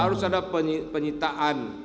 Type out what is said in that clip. harus ada penyitaan